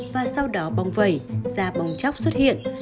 và sau đó bong vẩy da bong chóc xuất hiện